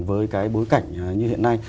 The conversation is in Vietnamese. với cái bối cảnh như hiện nay